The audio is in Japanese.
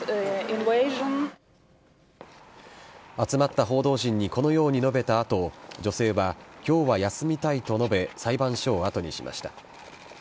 集まった報道陣に、このように述べたあと、女性はきょうは休みたいと述べ、裁判所を後にしました。